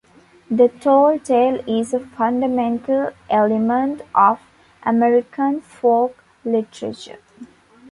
The tall tale is a fundamental element of American folk literature.